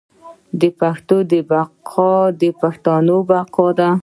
د پښتو بقا د پښتنو بقا ده.